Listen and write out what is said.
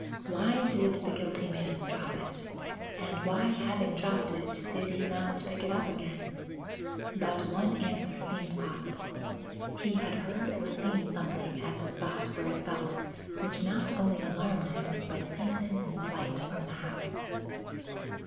Why did the guilty man drop it? and why, having dropped it, did he not pick it up again? but one answer seemed possible. He had heard or seen something at the spot where it fell which not only alarmed him but sent him in flight from the house."